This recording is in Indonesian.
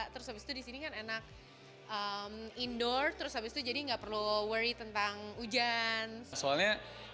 terus habis itu disini kan enak indoor terus habis itu jadi nggak perlu worry tentang hujan